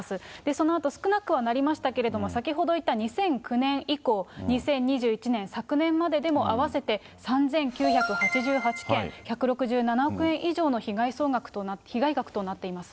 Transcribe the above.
そのあと少なくはなりましたけれども、先ほど言った２００９年以降、２０２１年、昨年まででも合わせて３９８８件、１６７億以上の被害額となっています。